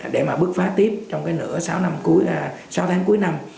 để mà bước phá tiếp trong cái nửa sáu tháng cuối năm